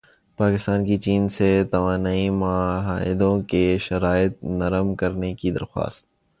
پاکستان کی چین سے توانائی معاہدوں کی شرائط نرم کرنے کی درخواست